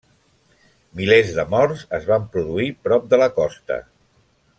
Milers de morts es van produir prop de la costa.